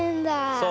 そう。